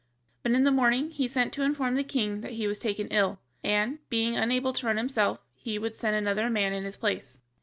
But in the morning he sent to inform the king that he was taken ill, and, being unable to run himself, he would send another man in his place.